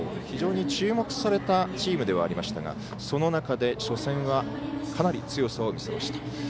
非常に注目されたチームではありましたがその中で初戦はかなり強さを見せました。